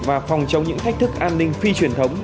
và phòng chống những thách thức an ninh phi truyền thống